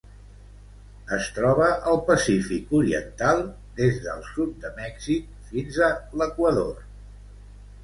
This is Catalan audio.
Es troba al Pacífic oriental: des del sud de Mèxic fins a l'Equador.